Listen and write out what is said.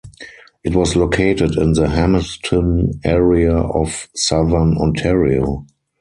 It was located in the Hamilton area of Southern Ontario.